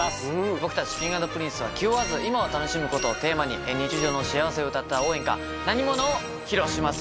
僕たち、Ｋｉｎｇ＆Ｐｒｉｎｃｅは、気負わず今を楽しむことをテーマに日常の幸せをうたった応援歌、なにものを披露します。